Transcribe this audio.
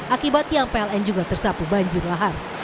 akibat yang pln juga tersapu banjir lahar